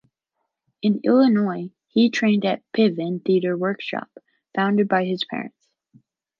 In Illinois, he trained at Piven Theatre Workshop, founded by his parents.